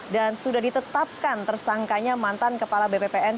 dan sudah ditetapkan tersangkanya mantan kepala bppn